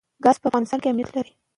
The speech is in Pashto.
روباټونه لوښي ټولوي.